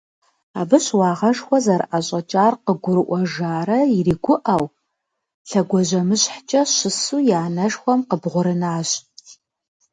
Абы щыуагъэшхуэ зэрыӀэщӀэкӀар къыгурыӀуэжарэ иригуӀэу, лъэгуажьэмыщхьэкӀэ щысу и анэшхуэм къыбгъурынащ.